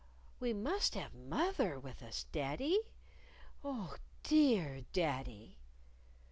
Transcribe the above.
"We must have moth er with us, daddy. Oh, dear daddy!"